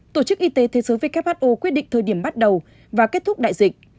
tổ chức y tế thế giới who quyết định thời điểm bắt đầu và kết thúc đại dịch